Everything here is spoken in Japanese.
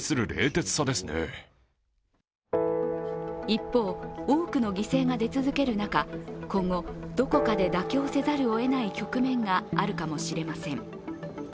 一方、多くの犠牲が出続ける中、今後、どこかで妥協せざるをえない局面があるかもしれません。